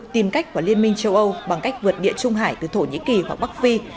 tìm cách vào liên minh châu âu bằng cách vượt địa trung hải từ thổ nhĩ kỳ hoặc bắc phi